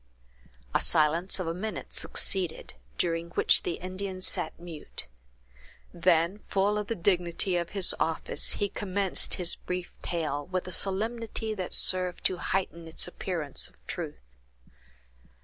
A silence of a minute succeeded, during which the Indian sat mute; then, full of the dignity of his office, he commenced his brief tale, with a solemnity that served to heighten its appearance of truth.